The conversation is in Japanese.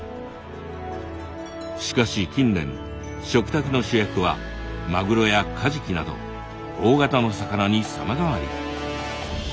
しかし近年食卓の主役はマグロやカジキなど大型の魚に様変わり。